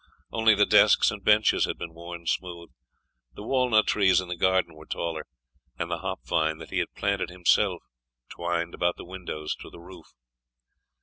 Only the desks and benches had been worn smooth; the walnut trees in the garden were taller, and the hop vine, that he had planted himself twined about the windows to the roof.